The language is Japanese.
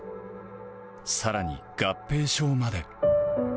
さらに合併症まで。